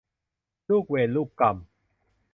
ลูกเวรลูกกรรม